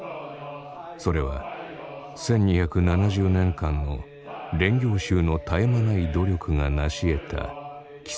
それは１２７０年間の練行衆の絶え間ない努力がなしえた奇跡なのだ。